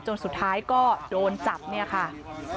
สุดท้ายก็โดนจับเนี่ยค่ะ